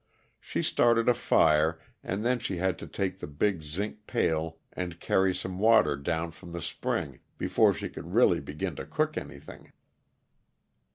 She started a fire, and then she had to take the big zinc pail and carry some water down from the spring before she could really begin to cook anything.